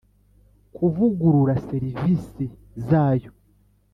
kuvugurura serivisi zazo